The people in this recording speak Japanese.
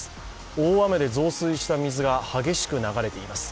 大雨で増水した水が激しく流れています。